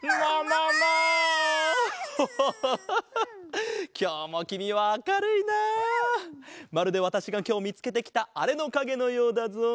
まるでわたしがきょうみつけてきたあれのかげのようだぞ。